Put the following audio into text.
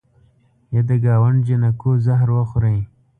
یه د ګاونډ جینکو زهر وخورئ